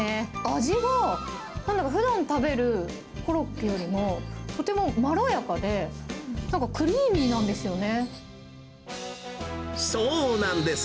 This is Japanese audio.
味は、なんだかふだん食べるコロッケよりも、とてもまろやかで、そうなんです。